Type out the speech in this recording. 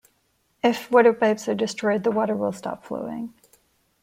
If water pipes are destroyed the water will stop flowing.